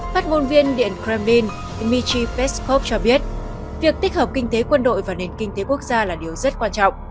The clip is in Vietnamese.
phát ngôn viên điện kremlin dmitry peskov cho biết việc tích hợp kinh tế quân đội và nền kinh tế quốc gia là điều rất quan trọng